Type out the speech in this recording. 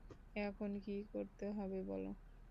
এখন কী করতে হবে বলো।